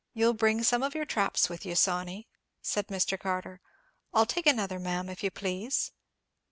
"You'll bring some of your traps with you, Sawney," said Mr. Carter.—"I'll take another, ma'am, if you please.